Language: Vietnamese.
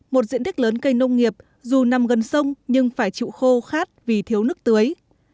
một diện tích lớn cây nông nghiệp dù nằm gần sông nhưng phải chịu khô khát vì thiếu nước tưới